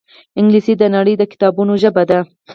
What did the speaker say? انګلیسي د نړۍ د کتابونو ژبه ده